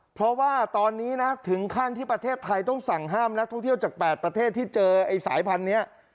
เพราะว่าตอนนี้นะถึงขั้นที่ประเทศไทยต้องสั่งห้ามนักท่องเที่ยวจาก๘ประเทศที่เจอไอ้สายพันธุ์นี้